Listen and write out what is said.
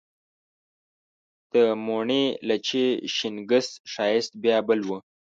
د موڼي، لچي، شینګس ښایست بیا بل و